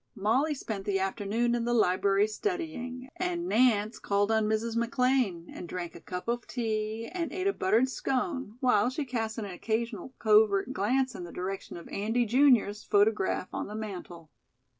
Molly spent the afternoon in the library studying, and Nance called on Mrs. McLean and drank a cup of tea and ate a buttered scone, while she cast an occasional covert glance in the direction of Andy junior's photograph on the mantel.